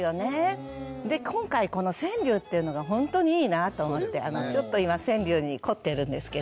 で今回この川柳っていうのがほんとにいいなと思ってちょっと今川柳に凝ってるんですけど。